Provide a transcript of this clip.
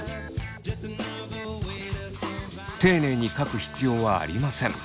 丁寧に書く必要はありません。